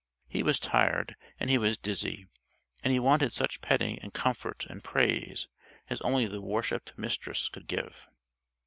He was tired, and he was dizzy; and he wanted such petting and comfort and praise as only the worshipped Mistress could give.